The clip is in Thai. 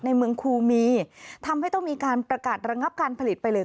ในเมืองคูมีทำให้ต้องมีการประกาศระงับการผลิตไปเลย